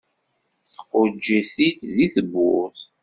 Tquǧǧ-it-id deg tewwurt.